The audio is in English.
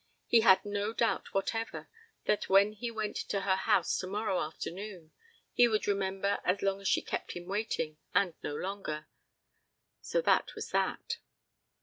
He had no doubt whatever that when he went to her house tomorrow afternoon he would remember as long as she kept him waiting and no longer. So that was that.